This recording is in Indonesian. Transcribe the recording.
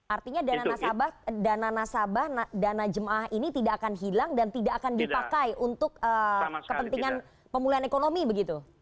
artinya jemaah ini tidak akan hilang dan tidak akan dipakai untuk kepentingan pemulihan ekonomi begitu